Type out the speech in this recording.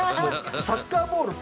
サッカーボール